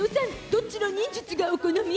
どっちの忍術がお好み？